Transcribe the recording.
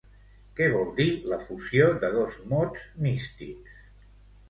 Què vol dir la fusió de dos mots místics?